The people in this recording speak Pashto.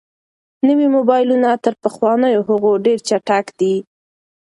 نوي موبایلونه تر پخوانیو هغو ډېر چټک دي.